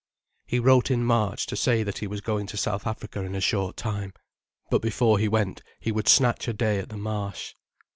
He wrote in March to say that he was going to South Africa in a short time, but before he went, he would snatch a day at the Marsh.